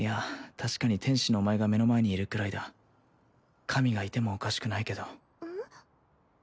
確かに天使のお前が目の前にいるぐらいだ神がいてもおかしくないけどうん？